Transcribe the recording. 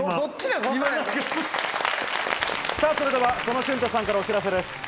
それでは、曽野舜太さんからお知らせです。